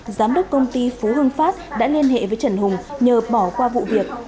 giám đốc công ty phú hương pháp đã liên hệ với trần hùng nhờ bỏ qua vụ việc